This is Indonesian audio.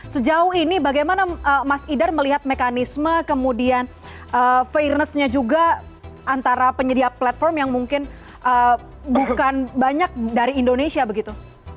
sejauh ini bagaimana mas idar melihat mekanisme kemudian fairness nya juga antara penyedia platform yang mungkin bukan banyak dari indonesia begitu